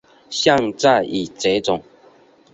现在已绝种。